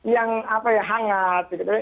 yang apa ya hangat gitu